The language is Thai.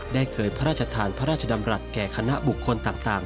ได้เคยพระราชทานพระราชดำรัฐแก่คณะบุคคลต่าง